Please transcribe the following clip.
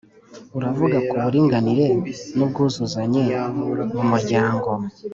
Uravuga ku buringanire n’ubwuzuzanye mu muryango.